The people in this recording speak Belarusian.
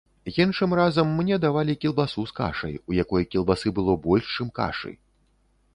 Іншым разам мне давалі кілбасу з кашай, у якой кілбасы было больш, чым кашы.